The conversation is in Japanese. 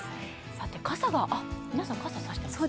さて、皆さん、傘差していますね。